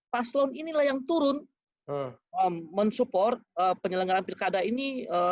paslon inilah yang turun mensupport penyelenggaraan pirkada ini